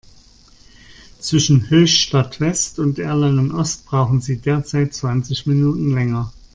Zwischen Höchstadt-West und Erlangen-Ost brauchen Sie derzeit zwanzig Minuten länger.